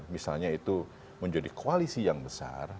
misalnya itu menjadi koalisi yang besar